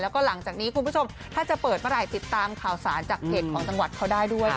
แล้วก็หลังจากนี้คุณผู้ชมถ้าจะเปิดเมื่อไหร่ติดตามข่าวสารจากเพจของจังหวัดเขาได้ด้วย